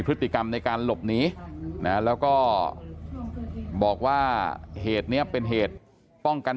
พฤติกรรมในการหลบหนีนะแล้วก็บอกว่าเหตุนี้เป็นเหตุป้องกัน